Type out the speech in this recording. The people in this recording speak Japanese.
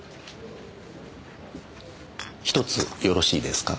１つよろしいですか？